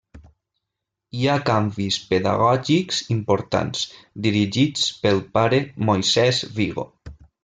Hi ha canvis pedagògics importants, dirigits pel pare Moisès Vigo.